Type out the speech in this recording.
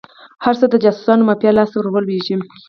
هر څه د جاسوسانو مافیا لاس ته ور ولویږي.